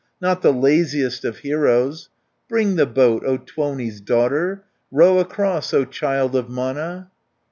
Not the laziest of heroes! Bring the boat, O Tuoni's daughter, Row across, O child of Mana!"